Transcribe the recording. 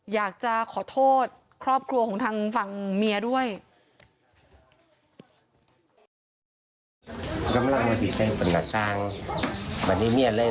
อยากจะขอโทษครอบครัวของทางฝั่งเมียด้วย